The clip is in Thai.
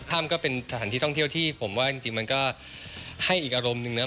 ก็เป็นสถานที่ท่องเที่ยวที่ผมว่าจริงมันก็ให้อีกอารมณ์หนึ่งนะ